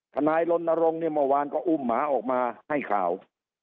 นายลนรงค์เนี่ยเมื่อวานก็อุ้มหมาออกมาให้ข่าว